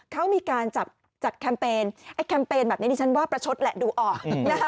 เขามีการจัดแคมเปญแคมเปญแบบนี้นี่ฉันว่าประชดแหละดูออก